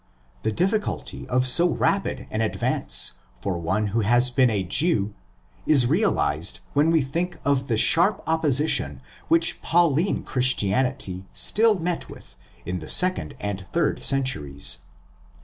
The diffi culty of so rapid an advance for one who had been a Jew is realised when we think of the sharp opposition which Pauline Christianity still met with in the second and third centuries.